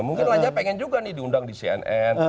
mungkin raja pengen juga nih diundang di cnn